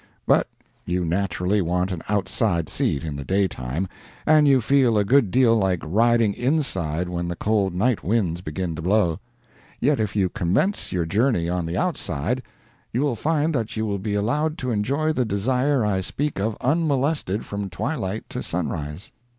But you naturally want an outside seat in the day time, and you feel a good deal like riding inside when the cold night winds begin to blow; yet if you commence your journey on the outside, you will find that you will be allowed to enjoy the desire I speak of unmolested from twilight to sunrise.